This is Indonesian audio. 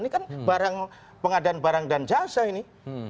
ini kan barang pengadaan barang dan jasa ini